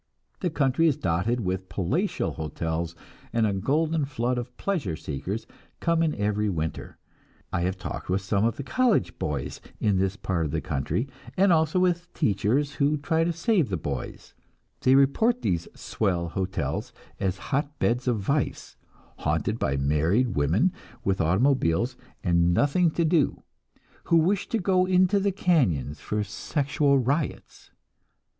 The country is dotted with palatial hotels, and a golden flood of pleasure seekers come in every winter. I have talked with some of the college boys in this part of the country, and also with teachers who try to save the boys; they report these "swell" hotels as hot beds of vice, haunted by married women with automobiles, and nothing to do, who wish to go into the canyons for sexual riots.